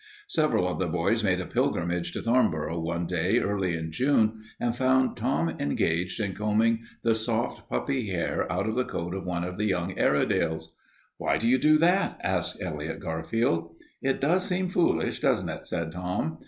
Several of the boys made a pilgrimage to Thornboro one day early in June and found Tom engaged in combing the soft, puppy hair out of the coat of one of the young Airedales. "Why do you do that?" asked Elliot Garfield. "It does seem foolish, doesn't it?" said Tom.